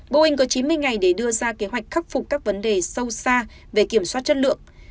boeing có chín mươi ngày để đưa ra kế hoạch khắc phục các vấn đề sâu xa về kiểm soát chất lượng